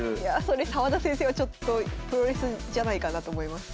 それ澤田先生はちょっとプロレスじゃないかなと思います。